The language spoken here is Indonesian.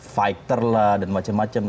fighter lah dan macem macem